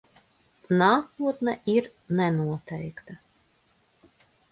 Nākotne ir nenoteikta.